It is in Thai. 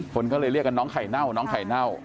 คนก็เลยเรียกกันน้องไข่เน่าน้องไข่เน่า